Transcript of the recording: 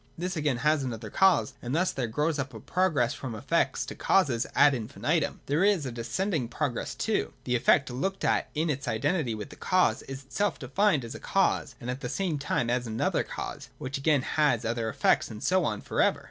This again has another cause, and thus there grows up a progress from effects to causes ad infinitum. There is a descending progress too : the effect, looked at in its identity with the cause, is itself defined as a cause, and at the same time as another cause, which again has other effects, and so on for ever.